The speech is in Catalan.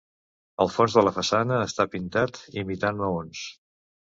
El fons de la façana està pintat imitant maons.